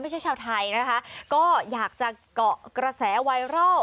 ชาวไทยนะคะก็อยากจะเกาะกระแสไวรัล